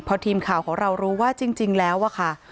พอทีมข่าวของเรารู้ว่าจริงแล้วอะค่ะ